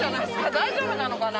大丈夫なのかな。